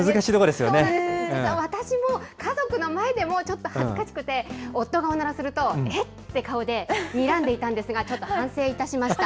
実は私も、家族の前でもちょっと恥ずかしくて、夫がおならすると、え？って顔でにらんでいたんですが、ちょっと反省いたしました。